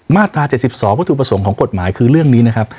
มาตรา๗๒วัตถุประสงค์ของกฎหมายคือเรื่องนี้นะครับ